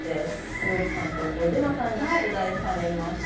栞里さんと児嶋さんに出題されました。